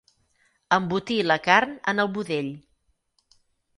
Embotir la carn en el budell.